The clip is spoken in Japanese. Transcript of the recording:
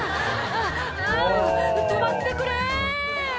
「あぁあぁ止まってくれ！」